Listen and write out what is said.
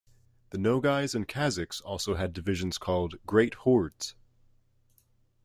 The Nogais and Kazakhs also had divisions called "Great Hordes".